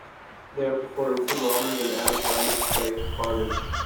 They were performing Tim Robbins' and Adam Simon's play "Carnage".